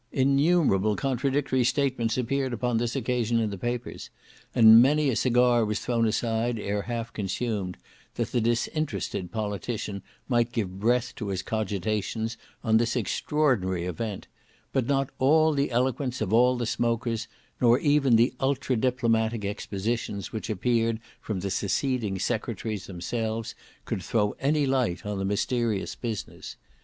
Innumerable contradictory statements appeared upon this occasion in the papers, and many a cigar was thrown aside, ere half consumed, that the disinterested politician might give breath to his cogitations on this extraordinary event; but not all the eloquence of all the smokers, nor even the ultradiplomatic expositions which appeared from the seceding secretaries themselves, could throw any light on the mysterious business.